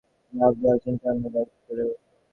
লাফ দিয়ে অতীন চলতি ট্রাম গাড়িতে চড়ে বসল।